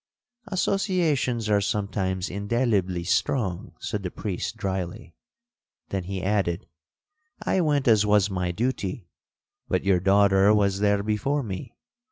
'—'Associations are sometimes indelibly strong,' said the priest drily;—then he added, 'I went as was my duty, but your daughter was there before me.